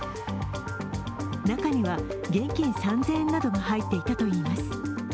中には現金３０００円などが入っていたといいます。